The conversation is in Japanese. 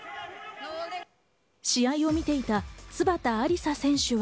試合を見ていた津端ありさ選手は。